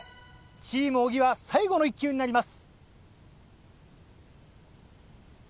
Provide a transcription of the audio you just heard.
チーム小木は最後の１球になります。